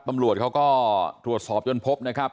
ตำรวจเขาก็ตรวจสอบจนพบนะครับ